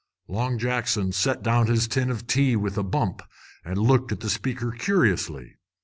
Long Jackson set down his tin of tea with a bump and looked at the speaker curiously.